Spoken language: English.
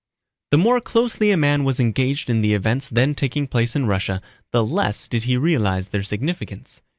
The more closely a man was engaged in the events then taking place in Russia the less did he realize their significance.